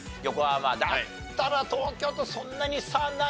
だったら東京とそんなに差ない。